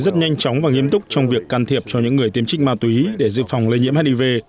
rất nhanh chóng và nghiêm túc trong việc can thiệp cho những người tiêm trích ma túy để dự phòng lây nhiễm hiv